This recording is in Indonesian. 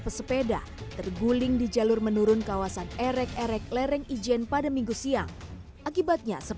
pesepeda terguling di jalur menurun kawasan erek erek lereng ijen pada minggu siang akibatnya